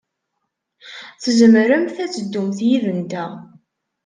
Tzemremt ad teddumt yid-nteɣ.